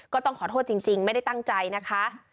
ก็ต้องขอโทษจริงไม่ได้ตั้งใจนะคะ